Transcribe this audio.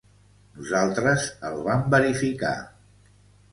Nosaltres el vam verificar.